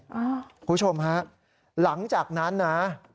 คุณผู้ชมฮะหลังจากนั้นนะ